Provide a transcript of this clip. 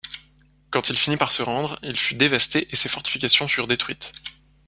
Quand il finit par se rendre, il fut dévastée et ses fortifications furent détruites.